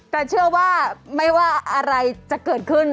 แต่เชื่อว่าไม่ว่าอะไรจะเกิดขึ้น